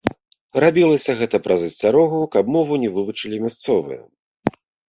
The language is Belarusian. Рабілася гэта праз асцярогу, каб мову не вывучылі мясцовыя.